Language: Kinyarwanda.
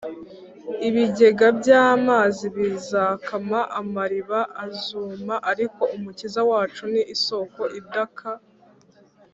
. Ibigega by’amazi bizakama, amariba azuma; ariko Umukiza wacu ni isoko idaka